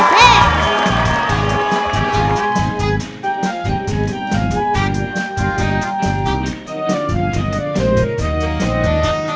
เท่เท่